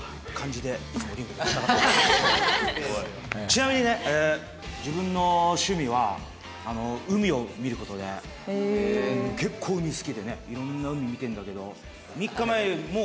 ちなみにね自分の趣味は海を見る事で結構海好きでね色んな海見てるんだけど。